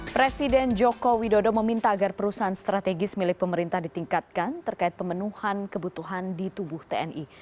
presiden joko widodo meminta agar perusahaan strategis milik pemerintah ditingkatkan terkait pemenuhan kebutuhan di tubuh tni